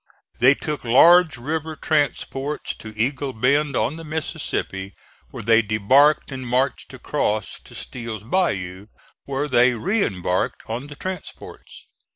They took large river transports to Eagle Bend on the Mississippi, where they debarked and marched across to Steel's Bayou, where they re embarked on the transports.